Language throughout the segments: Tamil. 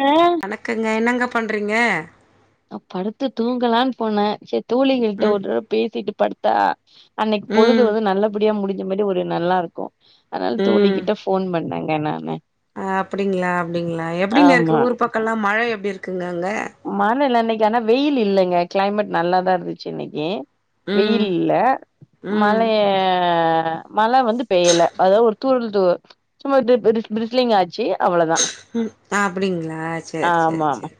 ஆ வணக்கங்க என்னங்க பண்றீங்க நா படுத்து தூங்கலானு போனே சரி தோழிகள்ட்ட ம் ஒருடவ பேசிட்டு படுத்தா அன்னைக்கு பொழுது ம் வந்து நல்லபடியா முடிஞ்ச மாரி ஒரு நல்லாருக் கு அதனால தோழிகிட்ட போன் பண்ணங்க நானு ஆ அப்டிங்ளா அப்டிங்ளா எப்டிங்க ஆமா இருக்கு ஊர் பக்கம்லா மழ எப்டி இருக்குங்க அங்க மழல்ல இன்னைக்கு ஆனா வெயில் இல்லைங்க க்ளைமேட் நல்லாதா இருந்துச்சு இன்னைக்கு ம் வெயில் இல்ல ம் மழைய மழை வந்து பெய்யல அதாவது ஒரு தூரல் தூ சும்மா பிரிஸ்லிங்க் ஆச்சு அவ்ளதா ம் அப்டிங்களா சேர் சேர் ஆமா சேர்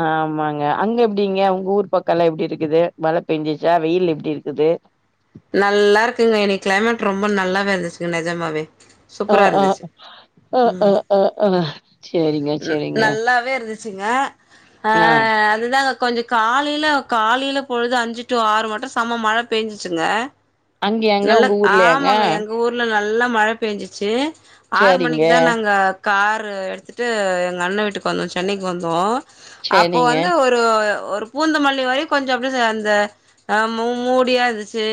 ஆமாங்க அங்க எப்டிங்க உங்க ஊர் பக்கலா எப்டி இருக்குது மழ பெஞ்சிச்சா வெயில் எப்டி இருக்குது நல்லா இருக்குங்க இனி க்ளைமேட் ரொம்ப நல்லாவே இருந்துச்சுங்க நெஜமாவே ஆ சூப்பரா ஆ இருந்துச்சு அ அ ம் அ அ சேரிங்க சேரிங்க நல்லாவே இருந்துச் சிங்க அ ஆ அது அதுதாங்க கொஞ்சோ காலைல காலைல பொழுது அஞ்சு டூ ஆறு மட்டு செம மழ பெஞ்சுச்சுங்க அங்கயாங்க நல்ல உங்க ஊர்லயாங்க ஆமாங்க எங்க ஊர் நல்லா மழை பெஞ்சுச்சு ஆறு சேரிங்க மணிக்கு தா நாங்க காரு எடுத்துட்டு எங்க அண்ணன் வீட்டுக்கு வந்தோ சென்னைக்கு வந்தோ அப்போ சேரிங்க வந்து ஒரு ஒரு ஒரு பூந்தமல்லி வரையு கொஞ்ச அப்படியே அந்த மூடியா இருந்துச்சு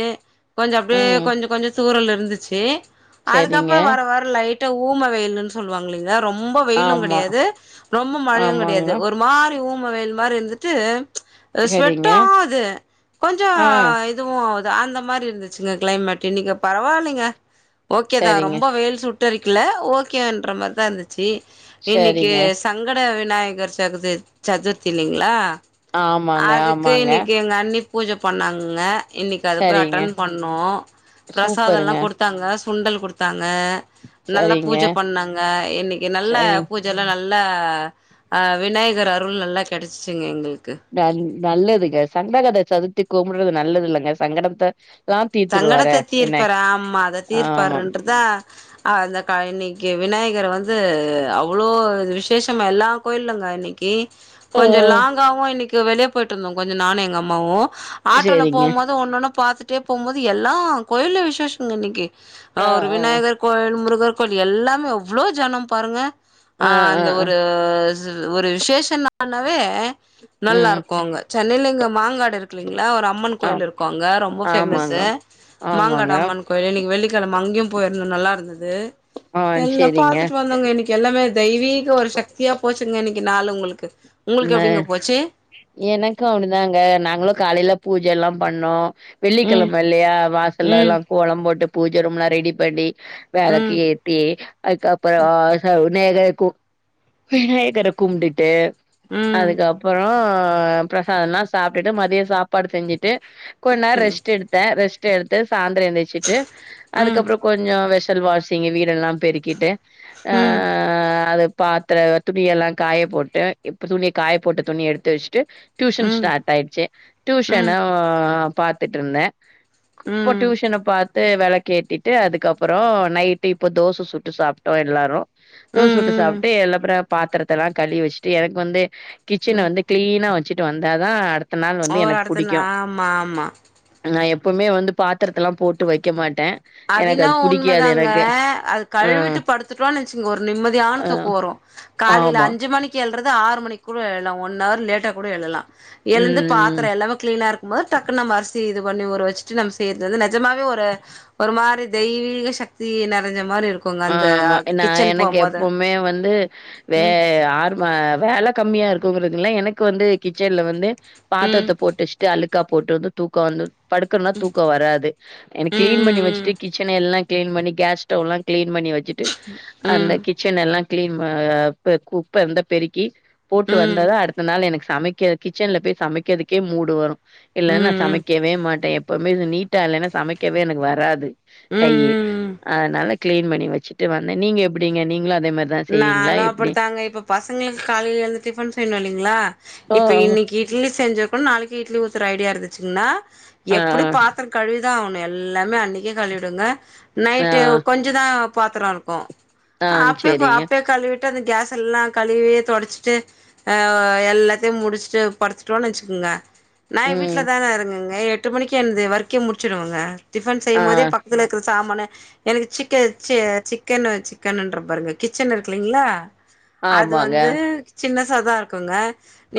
கொஞ்ச அப்படியே ம் கொஞ்ச கொஞ்ச அப்டி தூரல இருந்துச்சு சேரிங்க அதுக்கப்புற வர வர லைட்டாக ஊம வெயிலுன் சொல்லுவாங்க இல்லைங்களா ரொம்ப வெயிலு ஆமா கிடையாது ரொம்ப மழையு ஆமாங்க கிடையாது ஒரு ஒரு மாரி ஊம வெயில் மாரி இருந்துட்டு சேரிங்க ஸ்வெட்டு ஆது கொஞ்சோ ஆ இதுவு அந்த மாரி இருந்துச்சுங்க கிளைமேட் இன்னைக்கு பரவாயில்லைங்க ஓகே தா சரிங்க ரொம்ப வேல் சுட் சுட்டேரிக்கல ஓகேன்ரமாரி தா இருந்துச்சு இன்னைக்கு சரிங்க சங்கட விநாயகர் சதிர் சதுர்த்தி இல்லைங்களா ஆமாங்க அதுக்கு ஆமாங்க இன்னைக்கு எங்க அன்னி பூஜை பண்ணாங்கங்க இன்னைக்கு அத போய் சரிங்க அட்டன் பண்ணோ பிரசாதல்லா சூப்பருங்க குடுத் த்தாங்க சுண்டல் குடுத்தாங்க நல்ல சரிங்க பூஜ பண்ணாங்க இன்னைக்கு நல்ல சரிங் பூஜ ல்லா நல்லா ஆ விநாயகர் அருள் நல்லா கிடைச்சிச்சுங்க எங்களுக்கு ந நல்லதுங்க சங்கடகதை சதுத்தி கும்பிட்றது நல்லது இல்லங்க சங்கடத்தை சங்கடத்தை தீர்ப்பாரு ஆமா அதை ஆமா தீர்ப்பாருன்றதா ஆ அந்த க இன்னைக்கி விநாயகர் வந்து அவ்வளோ இது விசேஷமாக எல்லா கோயில்லங்க இன்னைக்கி ஆ கொஞ்ச லாங்காவு இன்னைக்கு வெளியே போயிட்டு இருந்தோ கொஞ்ச நானு எங்க அம்மாவு ஆட்டோல சேரிங்க போகும் போது ஒன்னு ஒன்னு பாத்துட்டே போம்போது எல்லா கோயில்ல விசேஷங்க இன்னைக்கு ஆ ஒரு ஆ விநாயகர் கோவில் முருகர் கோவில் எல்லாமே எவ்ளோ ஜனம் பாருங்க ஆ அந்த ஒரு ஒரு விசேஷம்னாவே நல்லா ம் இருக்கு அங்க சென்னையில இங்க மாங்காடு இருக்குல்லைங்களா ஒரு அம்மன் ஆ கோயில் இருக்கு அங்க ரொம்ப ஆமாங்க ஃபேமஸ்ஸு மாங்காடு ஆமாங்க அம்மன் கோயில் இன்னைக்கு வெள்ளிக்கிழமை அங்கேயும் போயிருந்த நல்லா இருந்தது ஆ எல்லாம் செரிங்க பாத்துட்டு வந்தோங்க இன்னைக்கு எல்லாமே தெய்வீக ஒரு சக்தியா போச்சுங்க இன்னைக்கு நாளு உங்களுக்கு உங்களுக்கு நே எப்படிங்க போச்சு எனக்கு அப்படிதாங்க நாங்களு காலையில பூஜை எல்லாம் பண்ணோ ம் வெள்ளிக்கிழம இல்லையா வாசல்ல ம் எல்லா கோலம் போட்டு பூஜை ரூம்ல்லா ரெடி பண்ணி ம் விளக்கு ஏத்தி அதுக்கப்புறோ விநாயகர விநாயகர கும்ட்டுட்டு ம் அதுக்கப்புறோ பிரசாதம் எல்லா சாப்ட்டுட்டு மதிய சாப்பாடு செஞ்சுட்டு கொஞ்ச நேர ரெஸ்ட் எடுத்தே ரெஸ்ட் எடுத்து சாய்ந்தர எந்திரிச்சிட்டு ம் அதுக்கப்புற கொஞ்ச வெஷல் வாஷ் ங் வீடெல்லா பெருக்கிட்டு ஆ ம் அத பா க்குற துணி எல்லா காய போட்டு இப்ப துணிய காய போட்டு துணிய எடுத்து வெச்ட்டு டியூஷன் ம் ஸ்டார்ட் ஆயிச்சி ம் ம் டியூஷனா பாத்துட்ருந்தே இப்போ ம் டியூஷன பாத்து வெளக்கேத்தி ட்டு அதுக்கப்பறோ நைட்டு இப்போ தோச சுட்டு சாப்ட்டோ எல்லாரும் தோச சுட்டு ம் சாப்ட்டு எல்லப்ற பாத்தரத்தல்லா கழுவி வச்சுட்டு எனக்கு வந்து கிச்சன்ல வந்து கிளீனா வச்சுட்டு வந்தாதா அடுத்த நாள் வந்து ஒரு எனக்கு இடத்துல புடிக்கும் ஆமா ஆமா நா எப்பவுமே வந்து பாத்தரத்த எல்லா போட்டு வைக்க மாட்டே அது எனக்கு என்னவோ புடிக்காது உண்மதாங்க எனக்கு அது அ கழுவிட்டு படுத்துட்டோன்னு நைச்சுங்க ஒரு நிம்மதியான அ தூக்கம் வரும் காலைல ஆமா அஞ்சு மணிக்கு எழுறது ஆறு மணி கூட எழுலாம் ஒன்ர் லேட்டா கூட எழுலாம் ம் எழுந்து ம் பாத்தரம் எல்லாமே கிளீனா இருக் போது டக்கு நம்ம அரிசி இது பண்ணி ஊற வச்சுட்டு நம்ம செய்யறது வந்து நெஜமாவே ஒரு ஒரு மாரி தெய்வீக சக்தி நெறஞ்ச மாரி இருக்கும் ஆ ஆமா நா எனக்கு எப்பவுமே வந்து வே ம் ஆறு ஆ வேல கம்மியா இருக்குங்கிறதுல்ல எனக்கு வந்து கிச்சன்ல வந்து ம் பாத்தரத்த போட்டு ட்டு அழுக்கா போட்டுட்டு தூக்கம் வந்து படுக்கறனா தூக்கம் வராது எனக்கு ம் கிளீன் பண்ணி ம் வச்சுட்டு கிச்சன எல்லா கிளீன் பண்ணி கேஸ் ஸ்டவ்ல்லா கிளீன் பண்ணி வச்சுட்டு அந்த ம் கிச்சன் எல்லாம் கிளீன் ஆ குப்ப இருந்தா பெருக்கி ம் போட்டு ம் வந்தாதா அடுத்த நாள் எனக்கு சமைக்க கிச்சன்ல போய் சமைக்கிறதுக்கே மூடு வரும் ம் இல்லன்ன ம் ம் சமை நிக்கவே மாட்டே எப்பவுமே நீட்டா இல்லன்னா சமைக்கவே எனக்கு வராது கையி ம் ம் அதனால கிளீன் பண்ணி வெச்சிட்டு வந்த நீங்க எப்டிங்க நீங்களும் அதே மாரி நானும் அப்படித்தாங்க இப்போ பசங்களுக்கு காலைல எழுந்து டிஃபன் செய்யணும் இல்லிங்களா ஆ இப்ப இன்னிக்கி இட்லி செஞ்ச பொன் நாளைக்கு இட்லி ஊத்துற ஐடியா இருந்துச்சுன்னா ஆ எப்டி பாத்தர கழுவிதா ஆகணும் எல்லாமே அன்னிக்கே கழுவிடுவங்க ஆ நைட்டு கொஞ் கொஞ்சதா பாத்ரோ இருக்கும் ஆ ஞ் பெர்ப்ப அப்பே கழுவிட்டு அந்த கேஸ் எல்லாம் கழுவி தொடச்சிட்டு ஆ எல்லாத்தியும் முடிச்ட்டு படுத்துட்டோன்னு வெச்சுக்கோங்க நா ம் வீட்ல தான இருங்குங்க எட்டு மணிக்கு எனது வொர்க்கே முடிச்சுடுவங்க டிஃபன் ஆ செய்யும் போதே பக்க இதுல இருக்குற சாமான்ன எனக்கு சிக்கன் சீ சிக்கன் சிக்கனுன்ற பாருங்க கிச்சன் இருக்குலீங்களா அது ஆமாங்க வந்து சின்னசாதா இருக்குங்க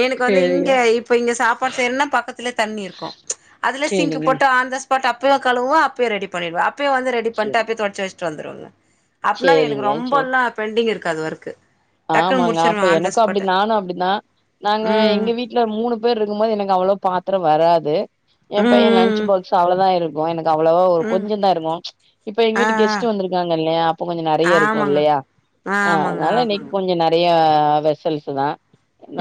எனக்கு வந்து சேரிங்க இங்க இப்போ இங்கே சாப்பாடு செய்றன்னா பக்கத்துலே தண்ணி இருக்கும் அதிலே சிங்க் சேரிங்க போட்டு ஆன் த ஸ்பாட் அப்பவே கழுவுவ அப்பய ரெடி பண்ணிடுவ அப்பயே வந்து ரெடி பண்ட்ட அப்பயே தொடச்சி வெச்ட்டு வந்துடுவங்க ஆப் ஃபுல்லாவே சேரிங்க எனக்கு சேரி ரொம்போல்லா பெண்டிங் இருக்காது ஒர்க்கு டக்குன்னு ஆமாங்க முடிச்சிருவ அப்ப ஆன் த எனக்கும் அப்டி ஸ்பாட்டு நானும் அப்டின்னா நாங்க ம் எங்க வீட் வீட்ல மூணு பேர் இருக்கும் போது எனக்கு அவ்ளோவா பாத்தரம் வராது ஏ ம் பையே லன்ச் ம் பாக்ஸ் அவ்ளோதா இரு க்கு எனக்கு அவ்ளோவா ஒரு ம் ம் கொஞ்சந்தா இருக்கும் இப்ப எங்க ஆ வீட்டுக்கு கெஸ்ட் வந்துருக்காங்க இல்லயா அப்போ கொஞ்சம் நறைய இருக்கும் இல்லயா ஆ ஆமங்க ஆமங்க ஆ நெறைய வெசல்ஸ் தா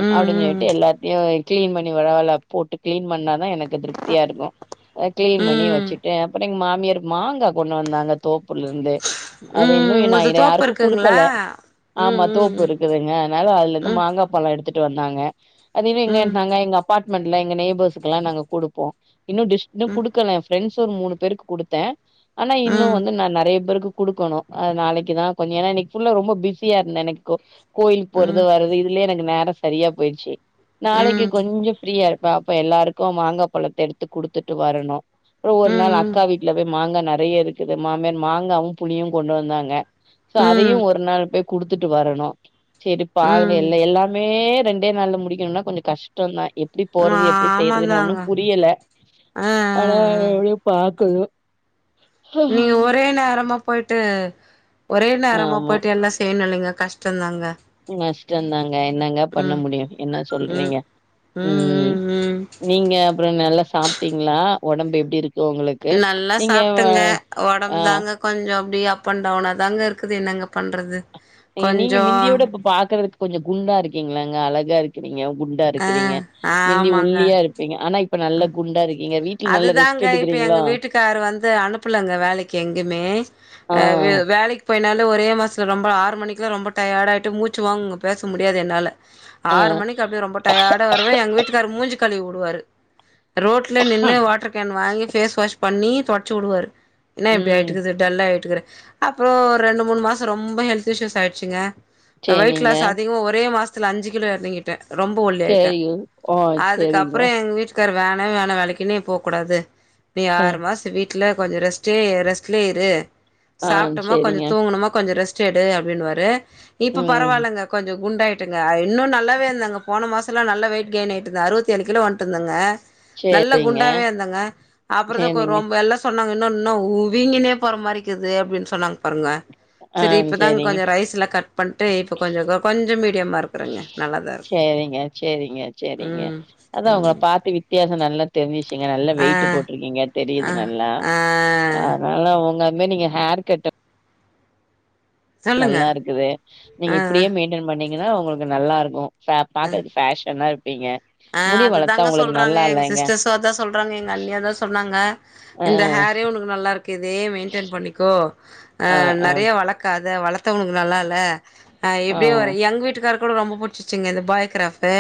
ம் ம் அப்டின்னுட்டு எல்லாத்தியு கிளீன் பண்ணி வரவல போட்டு கிளீன் பண்ணாதா எனக்கு திருப்தியா இருக்கும் கிளீன் பண்ணி ம் வெச்சிட்டு அப்பற எங்க மாமியார் மாங்கா கொண்டு வந்தாங்க தோப்புலருந்தே அது ம் இன்னும் நா உங்கள்து இது தோப்பு யாருக்கும் இருக்குங்களா குடுக்கல ம் ஆமா தோப்பு ம் இருக்குதுங்க அதனால அதுல இருந்து ம் மாங்கா பழம் எடுத்துட்டு வந்தாங்க அதுவே ம் இங்க ம் அங்க எங்க அப் அபார்ட்மெண்ட்ல எங்க நெய்பர்ஸ்குலா நாங்க குடுப்போ இன்னும் டிஷ்னு குடுக்கல ப்ரெண்ட்ஸ் ஒரு மூணு பேருக்கு குடுத்தே ஆனா இன்னும் ம் வந்து நா நறைய பேருக்கு குடுக்கணும் அது நாளைக்கு தா கொஞ்ச ஏன்னா இன்னிக்கி ஃபுல்லா ரொம்ப பிஸியா இருந்தே எனக்கு கொ கோயிலுக்கு போர்றது ம் ம் வர்றது இதுலயே எனக்கு நேரோ செரியா போயிட்ச்சி நாளைக்கு ம் கொஞ்ச ஃப்ரீயா இரு பாப்ப எல்லாருக்கு மாங்கா பழத்த எடுத்து குடுத்துட்டு வரணு ஒவ்வொரு நாள் ம் அக்கா வீட்டுல போய் மாங்கா நெறைய இருக்குது மாமியார் மாங்காவு புளியு கொண்டு வந்தாங்க சோ ம் அதையு ம் ஒரு நாள் போய் குடுத்துட்டு வரணு செரி பாகல ம் எல்ல எல்லாமே ரெண்டு ரெண்டே நாள்ல முடிக்கணுனா கொஞ்சோ கஷ்டோதா எப்பிடிப் போறது எப்பிடிப் செய்யறதுன்னு ஒண்ணு ஆமாந்தாங்க புரியல ஆ ஆ ஆனா ஆ எவ்ளோ பாக்கணு நீங்க ஒரே நேரமா போயிட்டு ஒரே நேரமா ஆமா போயிட்டு எல்லா செய்யணு இல்லைங்க கஷ் ட்டுந்தாங்க ம் நஷ்டோந்தாங் க என்னங்க பண்ண முடியு என்ன ம் சொல்றீங்க ம் நீங்கப் அப்புறோ நல்லா சாப்பிட்டிங்களா ஒடம்பு எப்டி இருக்கு உங்களுக் நல்லா சாப்ட்டங்க உடம்பு தாங்கக் கொஞ்சோ அப்டியே அப் அண்ட் டவுன்னாதாங்க இருக்குது என்னங்க பண்றது எங்க நீங்க கொஞ்சோ மிந்தியோட இப்ப பாக்குறதுக்கு கொஞ்சோ குண்டா இருக்கீங்களாங்க அழகா இருக் க்குறீங்க குண்டா ஆ இருக்கிறீங்க முந்தி ஆமாங்க. ஒல்லியா இருப்பீங்க ஆனா இப்ப நல்லா குண்டா இருக்கீங்க வீட் அதுதாங்க இப்ப எங்க வீட்டுக்காரு வந்து அனுப்புலங்க வேலைக்கு எங்கேயுமே ஆ [unintelligible] வேலைக்கு போய்னால ஒரே மாசத்துல ரொம்ப ஆறு மணிக்கல ரொம்ப டயர்ட்டா ஆயிட்டு மூச்சு வாங்கு பேச முடியாது என்னால ஆ ஆறு மணிக்கு அப்டியே ரொம்ப டயர்டா வருவ எங்க வீட்டுக்காரு மூஞ்சி கழுவி விடுவாரு ரோட்ல நின்னு நின்னு வாட்டர் கேன் வாங்கி பேஸ் வாஷ் பண்ணி தொடச் உடுவாரு என்ன இப்டி ம் ஆய்ட்டுகுது டல்லாயிட்டுக்குற அப்றோ ஒரு ரெண்டு மூணு மாசோ ரொம்ப ஹெல்த் இஸ்யூஸ் ஆயிடுச்சுங்க அ வெயிட் சேரிங்க லாஸ் அதிகமா ஒரே மாஸ்த்ல அஞ்சு கிலோ இறங்கி டே ரொம்ப ஒல்லி ஆய்ட்டே சேரிங்க ஆ சேரிங்க அதுக்கப்றோ எங்க வீட் காரு வேணவே வேண வேலைக்கு நீ போ கூடாது நீ ஆ ஆறு மாசோ வீட் ட்ல கொஞ்சோ ரெஸ்டே ரெஸ்ட்லே இரு ஆ சாப்ட்டமோ கொஞ்சோ சேரிங்க தூங்ணோமா கொஞ்சோ ரெஸ் ச்சேடு அப்டினுவாரு இப்ப ம் பரவால்லங்க கொஞ்சோ குண்டாயிட்டங்க அ இன்னு நல்லாவேந்தாங்க போன மாசோல்ல நல்ல வெயிட் கெயின் ஆய்ட்டுதா அறுவத்தி ஏழு கிலோ வன்ட்டுந்தங்க நல்ல சரிங்க குண்டாவேருந்தாங்க அப்றோ தா கொ சேரிங்க ரொம் எல்லாஸ் சொன்னாங்க இன்னொன்னா ஊ வீங்கினே போற மாரிக்குது அப்டினு சொன்னாங்க பாருங்க ஆ செரி இப்போ தாங்க சேரிங்க கொஞ்சோ ரைஸ்ஸுலா கட் பண்ட்டு இப்போ கொஞ்சோ கொ கொஞ்சோ மீடியமா இருக்றங்க நல்லா தா இருக் சேரிங்க சேரிங்க சேரிங்க அதா உங்கள ம் பாத்து விட் வித்யாசோ நல்லா தெரிஞ்சிச்சுங்க நல்லா ஆ வெயிட்டு போட்ருக்கீங்க தெரியுது ஆ நல்லா ஆ ஆனாலு உங்களமே நீங்க ஹேர் கட்டு சொல்லுங்க நல்லாருக்குது நீங்க ஆ ஆ இப்டியே மெயின்டெய்ன் பண்ணீங்கன்னா உங்ளுக்கு நல்லாருக்கு சா பாக்கதுக்கு ஃபேஷனா இருப்பீங்க அ முடி வளத்தா அதுதாங்க உங்களுக்கு சொல்றாங்க நல்லா எங்க இல்லைங்க சிஸ்டர்ஸு அதா சொல்றாங்க எங்க அண்ணியு அதா சொன்னாங்க அ இந்த ஹேரே உனக்கு நல்லாருக்கு இதே மெயின்டென் பண்ணிக்கோ அ நெறைய வளக்காத வளத்தவங்ளுக்கு நல்லா இல்ல அ எப்டியே வர எங்க வீட்டுக்காரு கூட ரொம்ப பிடிச்சிச்சுங்க இந்த பாய்கிராஃபு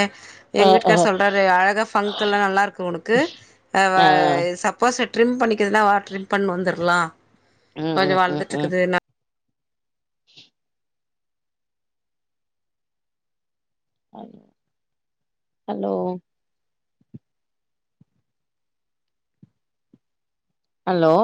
அ எங்க வீட் அ காரு சொல்றாரு அழக ஃபங்கு எல்லா நல்லாருக்கு உனுக்கு அ வ சப் போச ட்ரிம் பண்ணிக்கிறதுன்னா வா ட்ரிம் பண்ணு வந்தர்லா ம் கொஞ்சோ ம் ம் ம் வளந்திட்ருக்குது நா அ ஹலோ அலோ